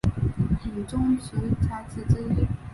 闽中十才子之一。